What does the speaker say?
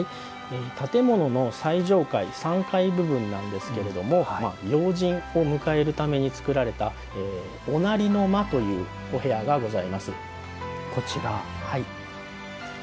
建物の最上階３階部分なんですけども要人を迎えるために作られた御成の間というお部屋がございます。